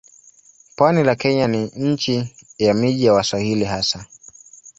Pwani la Kenya ni nchi ya miji ya Waswahili hasa.